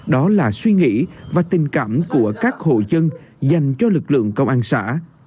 đó là suy nghĩ và tình cảm của các hộ dân dành cho lực lượng công an xã